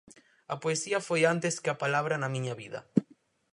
A poesía foi antes que a palabra na miña vida.